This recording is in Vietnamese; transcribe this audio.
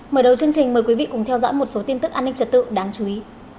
mở đầu chương trình mời quý vị cùng theo dõi một số tin tức an ninh trật tự đáng chú ý